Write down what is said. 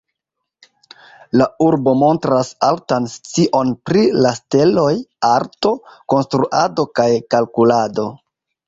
La urbo montras altan scion pri la steloj, arto, konstruado kaj kalkulado.